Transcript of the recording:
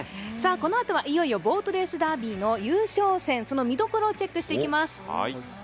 このあとは、いよいよボートレースダービーの優勝戦その見どころをチェックしていきます。